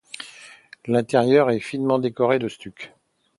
L'intérieur est finement décoré de stucs.